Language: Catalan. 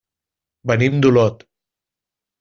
Venim d'Olot.